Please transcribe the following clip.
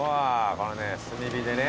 このね炭火でね。